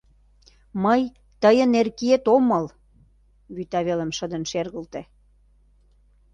— Мый тыйын Эркиет омыл! — вӱта велым шыдын шергылте.